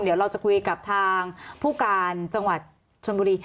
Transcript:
เดี๋ยวเราจะคุยกับทางผู้การจังหวัดชนบุรี